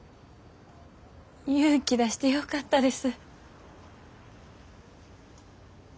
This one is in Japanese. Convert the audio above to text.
勇気出してよかったです。